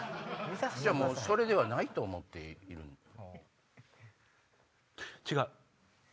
もうそれではないと思っているのかな？